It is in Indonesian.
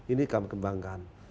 ini kami kembangkan